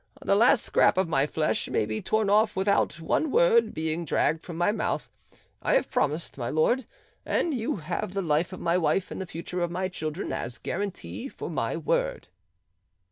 The last scrap of my flesh may be torn off without one word being dragged from my mouth. I have promised, my lord, and you have the life of my wife and the future of my children as guarantee for my word."